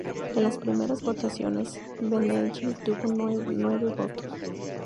En las primeras votaciones, Benelli tuvo nueve votos.